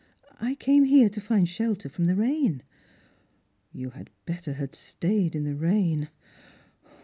I came here to find shelter from the rain." " You had better have stayed in the rain.